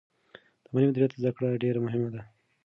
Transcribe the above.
د مالي مدیریت زده کړه ډېره مهمه ده.